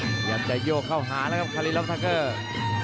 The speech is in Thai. พยายามจะโยกเข้าหาแล้วครับคารีล็อกทาเกอร์